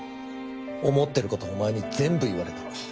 思ってる事お前に全部言われた。